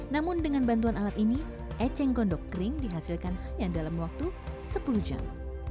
namun dengan bantuan alat ini eceng gondok kering dihasilkan hanya dalam waktu sepuluh jam